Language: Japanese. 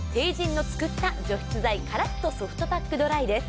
ＴＥＩＪＩＮの作った除湿材乾っとソフトパックドライです。